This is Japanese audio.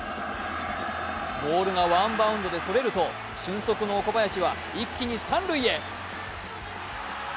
ボールがワンバウンドでそれると俊足の岡林は一気に三塁へ。